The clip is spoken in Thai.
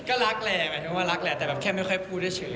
ก็รักแหละหมายถึงว่ารักแหละแต่แบบแค่ไม่ค่อยพูดเฉย